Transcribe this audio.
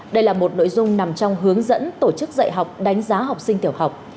đây là một nội dung nằm trong hướng dẫn tổ chức dạy học đánh giá học sinh tiểu học